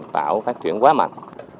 tạo phát triển quá mạnh